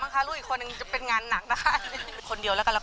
ส่วนร้ายจะเซ็นเชคอย่างเดียวค่ะ